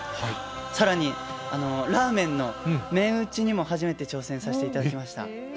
さらに、ラーメンの麺打ちにも、初めて挑戦させていただきました。